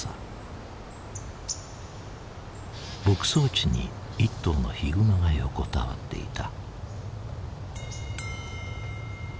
牧草地に一頭のヒグマが横たわっていた。